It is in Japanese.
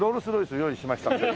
用意しましたんで。